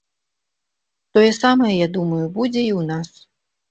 Тое самае, я думаю, будзе і ў нас.